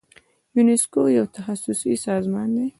یونسکو یو تخصصي سازمان دی.